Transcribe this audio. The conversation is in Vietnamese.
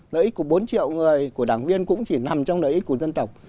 lợi ích của bốn triệu người của đảng viên cũng chỉ nằm trong lợi ích của dân tộc